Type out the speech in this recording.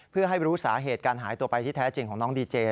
เพื่อให้รู้สาเหตุการหายตัวไปที่แท้จริงของน้องดีเจ